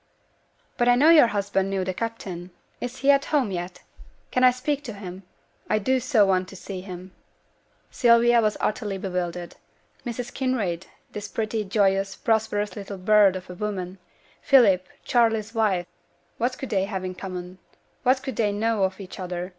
'But I know your husband knew the captain; is he at home yet? Can I speak to him? I do so want to see him.' Sylvia was utterly bewildered; Mrs. Kinraid, this pretty, joyous, prosperous little bird of a woman, Philip, Charley's wife, what could they have in common? what could they know of each other?